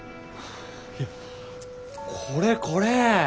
いやこれこれ。